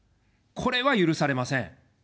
これは許されません。